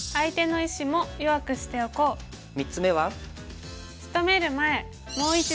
３つ目は。